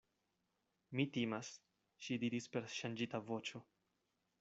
Mi timas, ŝi diris per ŝanĝita voĉo.